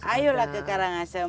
ayo lah ke karangasem